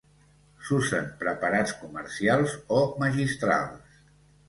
S'usen preparats comercials o magistrals.